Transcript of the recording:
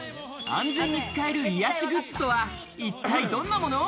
安全に使える癒やしグッズとは、一体どんなもの？